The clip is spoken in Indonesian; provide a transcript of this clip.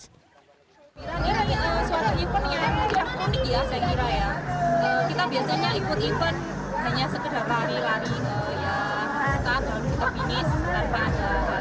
kita mengikuti event yang unik kita biasanya ikut event hanya sepeda pari lari ke sekat dan kita finish tanpa ada halangan